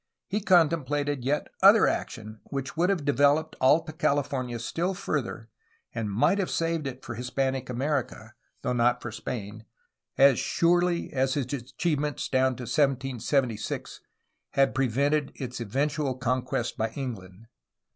He con templated yet other action which would have developed Alta California still further and might have saved it for Hispanic America, though not for Spain, as surely as his achievements down to 1776 had prevented its eventual con quest by England.